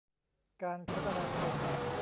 การคมนาคม